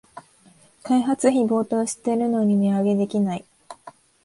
開発費暴騰してるのに値上げできない